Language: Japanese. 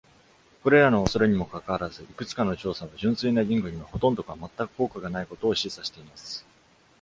これらの恐れにもかかわらず、いくつかの調査は、純粋なリングにはほとんどか全く効果がないことを示唆しています。